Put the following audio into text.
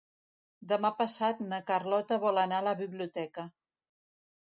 Demà passat na Carlota vol anar a la biblioteca.